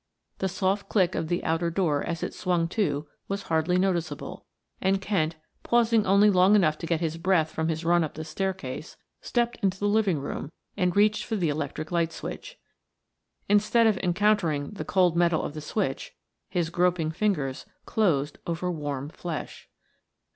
The soft click of the outer door as it swung to was hardly noticeable, and Kent, pausing only long enough to get his breath from his run up the staircase, stepped into the living room and reached for the electric light switch. Instead of encountering the cold metal of the switch his groping fingers closed over warm flesh.